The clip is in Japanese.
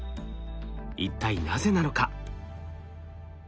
一体なぜなのか？